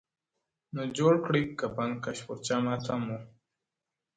نه جوړ کړی کفن کښ پر چا ماتم وو.!